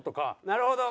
なるほど。